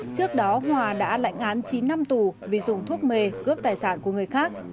trước đó hòa đã lãnh án chín năm tù vì dùng thuốc mề cướp tài sản của người khác